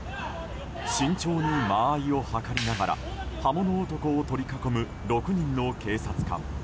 慎重に間合いを図りながら刃物男を取り囲む６人の警察官。